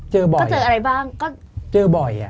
เจอบ่อยอะ